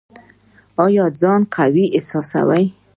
ایا ځان قوي احساسوئ؟